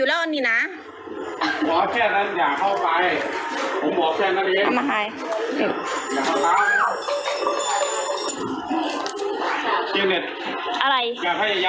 อ๋อเจ้าสีสุข่าวของสิ้นพอได้ด้วย